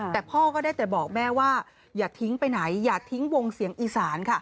แต่พ่อก็ได้แต่บอกแม่ว่าอย่าทิ้งไปไหนอย่าทิ้งวงเสียงอีสานค่ะ